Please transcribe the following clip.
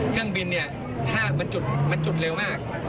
เครื่องบินเนี่ยถ้ามันจุดเร็วมาก